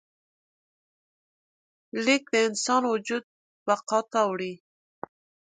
لیک د انسان وجود بقا ته وړي.